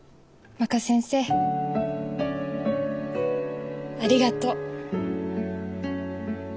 若先生ありがとう。